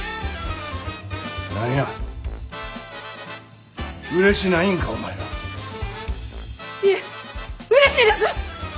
何やうれしないんかお前ら。いえうれしいです！